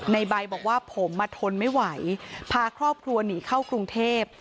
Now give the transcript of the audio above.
ในใบบอกว่าผมมาทนไม่ไหวพาครอบครัวหนีเข้ากรุงเทพ